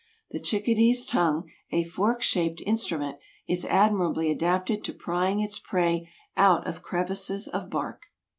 The chickadee's tongue, a fork shaped instrument, is admirably adapted to prying its prey out of crevices of bark.